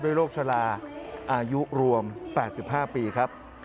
โรคชะลาอายุรวม๘๕ปีครับ